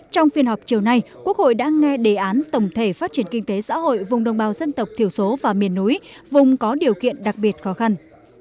trong phiên họp chiều nay quốc hội đã nghe đề án tổng thể phát triển kinh tế xã hội vùng đồng bào dân tộc thiểu số và miền núi vùng có điều kiện đặc biệt khó khăn